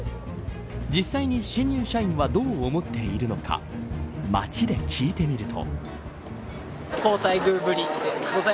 実際に、新入社員はどう思っているのか街で聞いてみると。